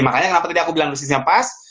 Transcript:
makanya kenapa tadi aku bilang resisnya pas